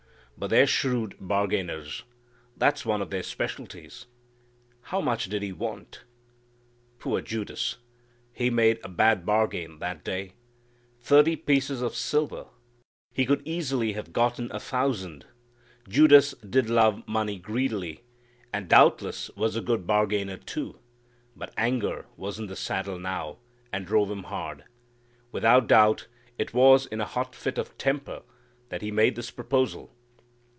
But they're shrewd bargainers. That's one of their specialties. How much did he want? Poor Judas! He made a bad bargain that day. Thirty pieces of silver! He could easily have gotten a thousand. Judas did love money greedily, and doubtless was a good bargainer too, but anger was in the saddle now, and drove him hard. Without doubt it was in a hot fit of temper that he made this proposal.